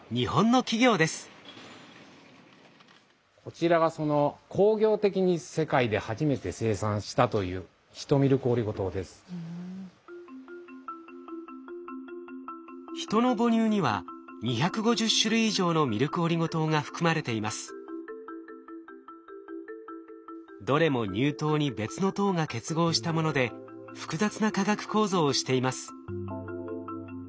こちらがヒトの母乳にはどれも乳糖に別の糖が結合したもので複雑な化学構造をしています。